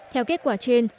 theo kết quả trên